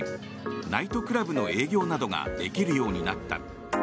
ナイトクラブの営業などができるようになった。